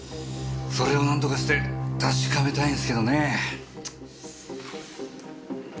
それをなんとかして確かめたいんすけどねぇ。